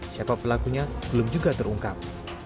siapa pelakunya belum juga terungkap